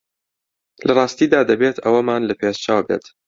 لە ڕاستیدا دەبێت ئەوەمان لە پێشچاو بێت